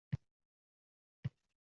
Qahhor, Kampirlar sim qoqdi